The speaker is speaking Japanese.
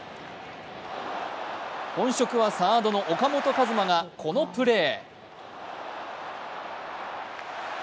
本職はサードの岡本和真がこのプレー。